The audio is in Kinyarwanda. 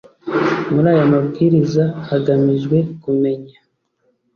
muri aya mabwiriza hagamijwe kumenya